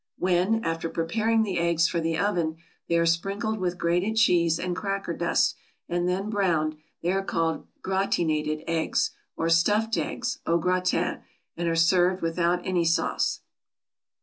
When, after preparing the eggs for the oven, they are sprinkled with grated cheese, and cracker dust, and then browned, they are called gratinated eggs, or stuffed eggs, au gratin, and are served without any sauce.